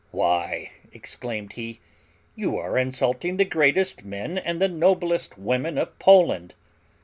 "Why," exclaimed he, "you are insulting the greatest men and the noblest women of Poland!